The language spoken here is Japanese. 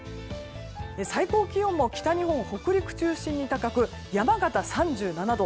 最高気温も北日本、北陸中心に高く山形、３７度。